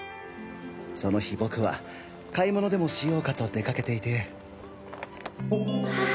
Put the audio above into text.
その日僕は買い物でもしようかと出かけていて。